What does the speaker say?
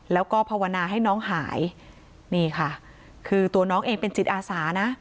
แล้วก็ภาวนาให้น้องหายนี่ค่ะคือตัวน้องเองเป็นจิตอาสานะ